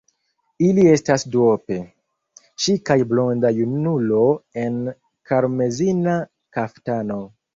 Ili estas duope: ŝi kaj blonda junulo en karmezina kaftano.